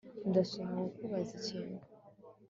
Ndashaka kukubaza ikintu